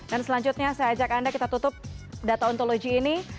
dan selanjutnya saya ajak anda kita tutup data ontologi ini